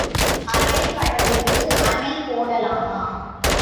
அலைகடலுக்கு அணை போடலாமா?